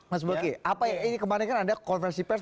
mas boki kemarin kan anda konversi pers